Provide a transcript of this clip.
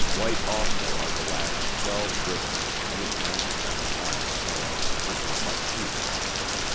White also are the last twelve bristles (we have counted them) on his tail (which is much too long).